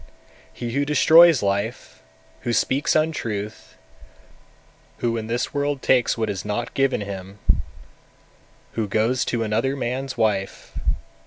246. He who destroys life, who speaks untruth, who in this world takes what is not given him, who goes to another man's wife; 247.